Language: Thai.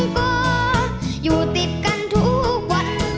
ผู้ติดกันทุกวัน